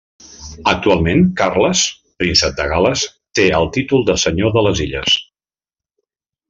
Actualment, Carles, Príncep de Gal·les, té el títol de Senyor de les Illes.